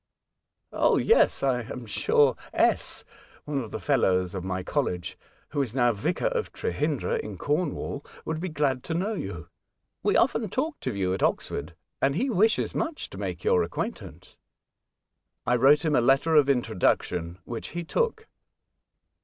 " Oh, yes. I am sure S , one of the fellows of my college, who is now Vicar of Trehyndra, in Cornwall, would be glad to know you. We often talked of you at Ox ford, and he wishes much to make your acquaintance." I wrote him a letter of introduction, which he took.